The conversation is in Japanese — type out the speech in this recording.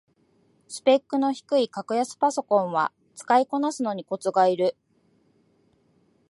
スペックの低い格安パソコンは使いこなすのにコツがいる